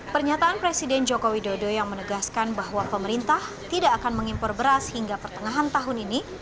pernyataan presiden joko widodo yang menegaskan bahwa pemerintah tidak akan mengimpor beras hingga pertengahan tahun ini